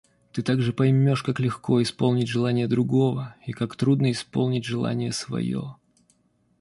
Ты также поймешь, как легко исполнить желание другого и как трудно исполнить желание свое.